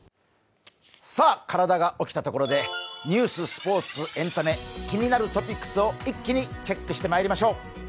体が起きたところでニュース、スポーツ、エンタメ、気になるトピックスを一気にチェックしてまいりましょう。